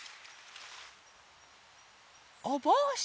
おぼうし！